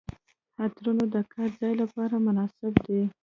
عطرونه د کار ځای لپاره مناسب دي.